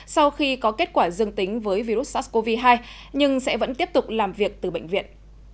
sau khi có kết quả dương tính với virus sars cov hai nhưng sẽ vẫn tiếp tục làm việc từ bệnh viện